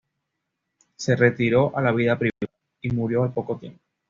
Se retiró a la vida privada y murió al poco tiempo.